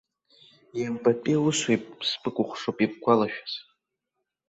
Ианбатәи усу, сбыкәыхшоуп, ибгәалашәаз!